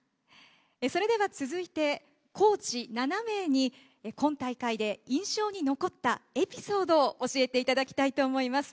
それでは続いて、コーチ７名に、今大会で印象に残ったエピソードを教えていただきたいと思います。